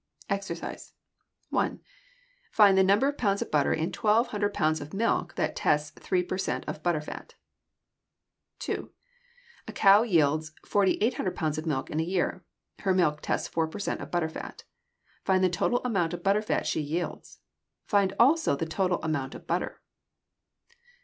EXERCISE 1. Find the number of pounds of butter in 1200 pounds of milk that tests 3 per cent of butter fat. 2. A cow yields 4800 pounds of milk in a year. Her milk tests 4 per cent of butter fat. Find the total amount of butter fat she yields. Find also the total amount of butter.